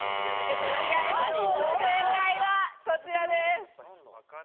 正解は、こちらです。